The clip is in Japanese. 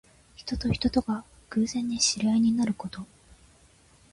人と人とが偶然に知り合いになること。